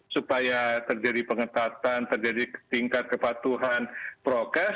supaya terjadi pengetatan terjadi tingkat kepatuhan prokes